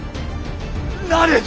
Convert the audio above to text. ななれど！